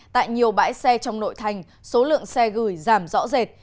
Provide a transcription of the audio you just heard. tại nhiều bãi xe trong nội thành số lượng xe gửi giảm rõ rệt